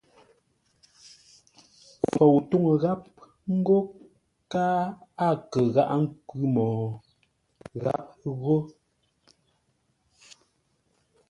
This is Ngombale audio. Fou túŋu gháp ńgó káa a kə gháʼá ńkwʉ́ mô gháp ghó.